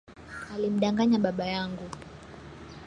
Alimdanganya baba yangu